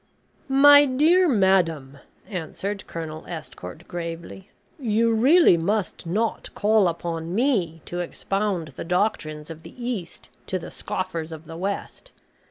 "My dear madam," answered Colonel Estcourt, gravely, "you really must not call upon me to expound the doctrines of the East to the scoffers of the West.